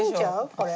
これ。